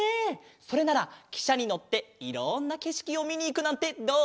それならきしゃにのっていろんなけしきをみにいくなんてどう？